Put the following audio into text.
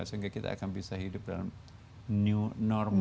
sehingga kita akan bisa hidup dalam new normal